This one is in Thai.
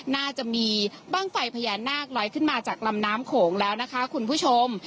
น่าจะมีบ้างไฟพญานาคลอยขึ้นมาจากลำน้ำโขงแล้วนะคะคุณผู้ชม